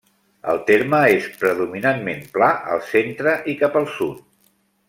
El terme és predominantment pla al centre i cap al sud.